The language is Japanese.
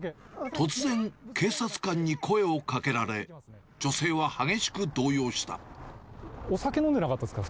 突然、警察官に声をかけられ、お酒飲んでなかったですか？